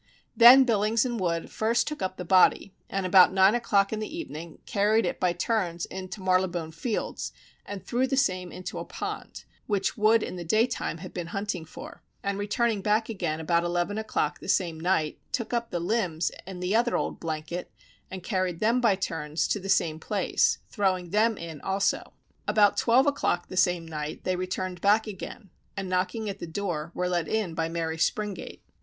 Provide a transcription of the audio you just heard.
Then Billings and Wood first took up the body, and about nine o'clock in the evening carried it by turns into Marylebone Fields, and threw the same into a pond (which Wood in the day time had been hunting for) and returning back again about eleven o'clock the same night, took up the limbs in the other old blanket, and carried them by turns to the same place, throwing them in also. About twelve o'clock the same night, they returned back again, and knocking at the door were let in by Mary Springate.